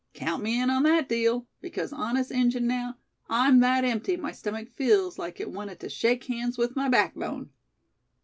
"Count me in on that deal; because, honest Injun now, I'm that empty my stomach feels like it wanted to shake hands with my backbone.